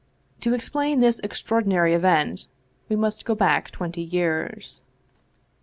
To explain this extraordinary event we must go back twenty years.